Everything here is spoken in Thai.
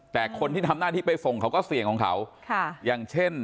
แต่คนที่ทำหน้าที่ไปส่งเขาก็เสี่ยงของเขาค่ะอย่างเช่น